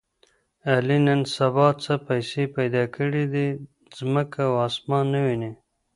علي نن سبا څه پیسې پیدا کړې دي، ځمکه او اسمان نه ویني.